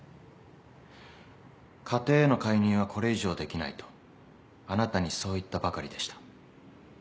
家庭への介入はこれ以上できないとあなたにそう言ったばかりでした。